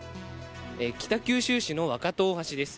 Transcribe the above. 北九州市の若戸大橋です。